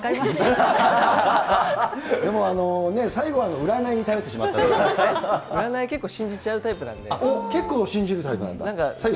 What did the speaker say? でもね、最後は占いに頼って占い、結構信じちゃうタイプ結構信じるタイプなんだ。